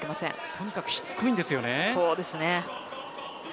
とにかくしつこいです。